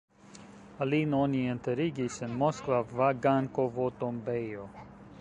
Lin oni enterigis en moskva Vagankovo-tombejo.